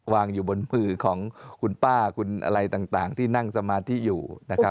วางอยู่บนมือของคุณป้าคุณอะไรต่างที่นั่งสมาธิอยู่นะครับ